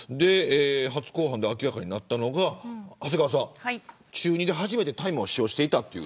初公判で明らかになったのが長谷川さん中２で初めて大麻を使用していたと。